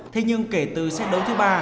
thế nhưng kể từ set đấu thứ ba